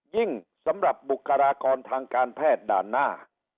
สำหรับบุคลากรทางการแพทย์ด่านหน้า